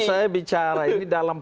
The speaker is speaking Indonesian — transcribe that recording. saya bicara ini dalam